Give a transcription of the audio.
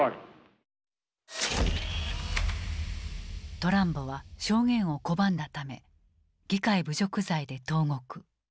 トランボは証言を拒んだため議会侮辱罪で投獄。